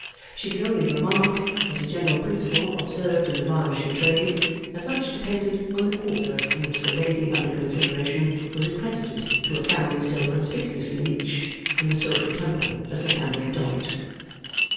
She could only remark, as a general principle observed in the varnishing trade, that much depended on the quarter from which the lady under consideration was accredited to a family so conspicuously niched in the social temple as the family of Dorrit.